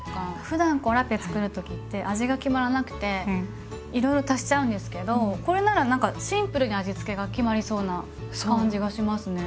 ふだんラペつくる時って味が決まらなくて色々足しちゃうんですけどこれなら何かシンプルに味付けが決まりそうな感じがしますね。